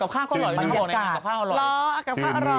ขับข้างอร่อย